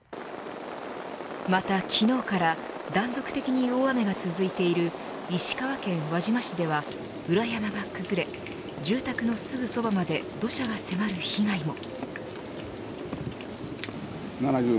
また、昨日から断続的に大雨が続いている石川県輪島市では裏山が崩れ住宅のすぐそばまで土砂が迫る被害も。